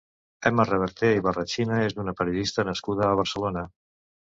Emma Reverter i Barrachina és una periodista nascuda a Barcelona.